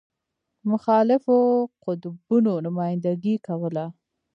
مخالفو قطبونو نمایندګي کوله.